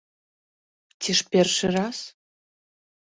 Ці ж першы раз?